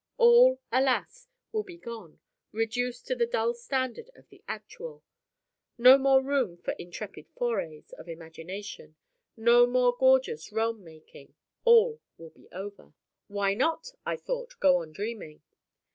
All, alas! will be gone reduced to the dull standard of the actual. No more room for intrepid forays of imagination no more gorgeous realm making. All will be over! Why not, I thought, go on dreaming?